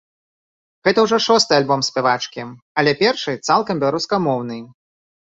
Гэта ўжо шосты альбом спявачкі, але першы цалкам беларускамоўны.